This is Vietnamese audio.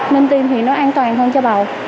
nên tiêm thì nó an toàn hơn cho bầu